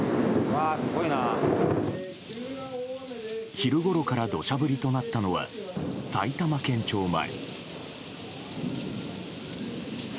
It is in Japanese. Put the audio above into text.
昼ごろから土砂降りとなったのは埼玉県庁前。